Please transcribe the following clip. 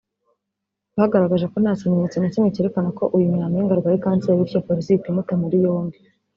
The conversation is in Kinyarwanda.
bagaragaje ko nta kimenyetso na kimwe cyerekana ko uyu Nyampinga arwaye kanseri bityo Polisi ihita imuta muri yombi